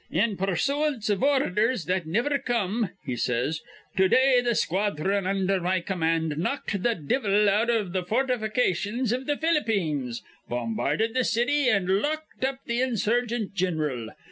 'In pursooance iv ordhers that niver come,' he says, 'to day th' squadhron undher my command knocked th' divvle out iv th' fortifications iv th' Ph'lippines, bombarded the city, an' locked up th' insurgent gin'ral.